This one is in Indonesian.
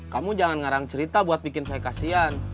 kamu jangan ngarang cerita buat bikin saya kasihan